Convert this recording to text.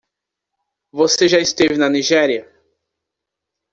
Você já esteve na Nigéria?